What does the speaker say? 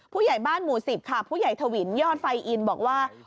ผู้ใหญ่บ้านหมู่๑๐ค่ะผู้ใหญ่ถวินยอดไฟอินบอกว่า